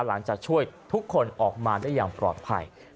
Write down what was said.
หลังจากช่วยทุกคนออกมาได้อย่างปลอดภัย